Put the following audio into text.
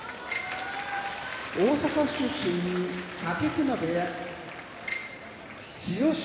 大阪府出身武隈部屋千代翔